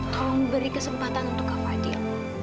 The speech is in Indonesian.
tolong beri kesempatan untuk kau fadil